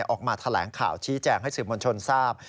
ออกมาแถลงข่าวชี้แจงให้สื่อมวลชนทราบ